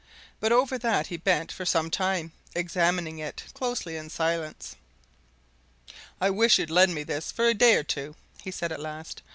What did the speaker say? But over that he bent for some time, examining it closely, in silence. "I wish you'd lend me this for a day or two," he said at last.